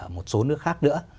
một số nước khác nữa